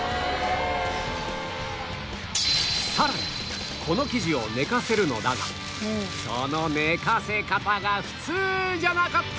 さらにこの生地を寝かせるのだがその寝かせ方が普通じゃなかった！